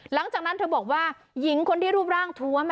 หลังจากนั้นเธอบอกว่าหญิงคนที่รูปร่างทวม